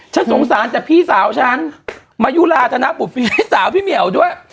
ฉันสงสารแต่พี่สาวฉันมายุลาธนบุฟฟีพี่สาวพี่เหมียวด้วย